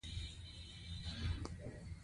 اوس له درې نورو اوزارونو سره بلدیتیا ترلاسه کوئ.